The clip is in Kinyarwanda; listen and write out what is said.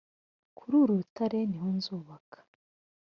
kuri uru rutare ni ho nzubaka